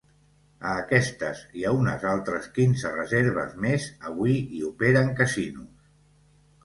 A aquestes i a unes altres quinze reserves més avui hi operen casinos.